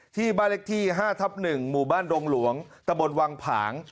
ที่บารกที่ห้าทับหนึ่งหมู่บ้านโดงหลวงตะบนวังผาง